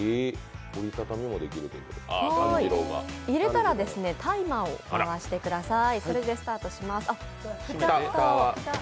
入れたらタイマーを回してください、スタートします。